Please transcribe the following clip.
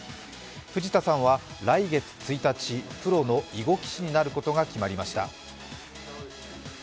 藤田さんは来月１日、プロの囲碁棋士になることが決まりました。